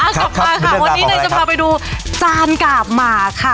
กลับมาค่ะวันนี้นายจะพาไปดูจานกาบหมากค่ะ